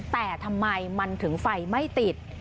แต่ทำไมมันถึงไฟไม่ติด